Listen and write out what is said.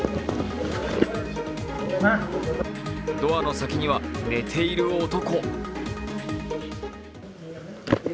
ドアの先には寝ている男。